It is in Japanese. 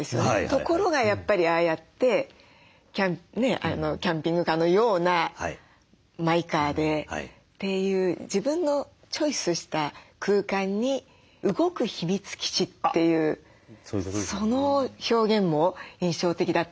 ところがやっぱりああやってキャンピングカーのようなマイカーでっていう自分のチョイスした空間に「動く秘密基地」っていうその表現も印象的だったんですけどヒロシさんはいかがですか？